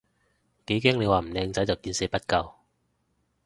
幾驚你話唔靚仔就見死不救